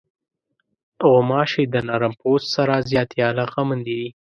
غوماشې د نرم پوست سره زیاتې علاقمندې دي.